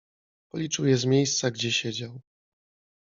policzył je z miejsca, gdzie siedział.